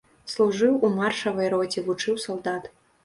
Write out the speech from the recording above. Служыў у маршавай роце, вучыў салдат.